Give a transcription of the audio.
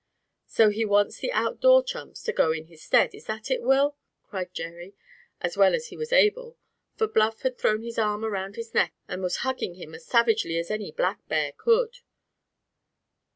"So he wants the outdoor chums to go in his stead; is that it, Will?" cried Jerry, as well as he was able; for Bluff had thrown his arms around his neck and was hugging him as savagely as any black bear could.